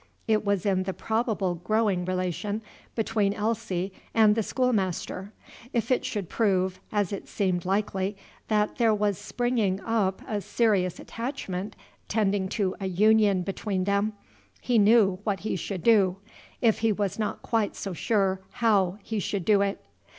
It was in the probable growing relation between Elsie and the schoolmaster. If it should prove, as it seemed likely, that there was springing up a serious attachment tending to a union between them, he knew what he should do, if he was not quite so sure how he should do it.